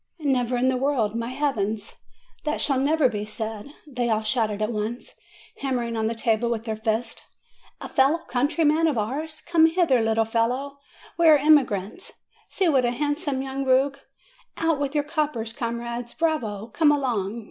"Never in the world, by Heavens ! That shall never be said!" they all shouted at once, hammering on the table \vith their fists. "A fellow countryman of ours ! Come hither, little fellow ! We are emigrants ! See what a handsome young rogue! Out with your coppers, comrades! Bravo! Come along!